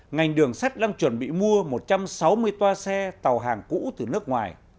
ngành đường sắt đang chuẩn bị mua một trăm sáu mươi toa xe tàu hàng cũ từ nước ngoài